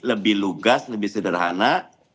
lebih lugas lebih sederhana